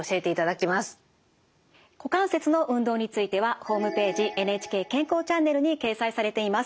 股関節の運動についてはホームページ「ＮＨＫ健康チャンネル」に掲載されています。